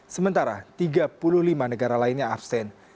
sementara tiga puluh lima negara lainnya absen